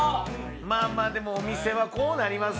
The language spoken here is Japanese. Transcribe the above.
まあまあでもお店はこうなりますよね。